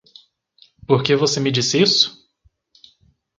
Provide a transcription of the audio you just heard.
Por que você me disse isso?